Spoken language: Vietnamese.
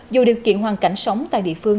dù điều kiện hoàn cảnh sống tại địa phương